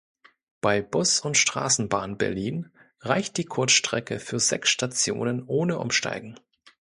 Bei Bus und Straßenbahn Berlin reicht die Kurzstrecke für sechs Stationen ohne Umsteigen.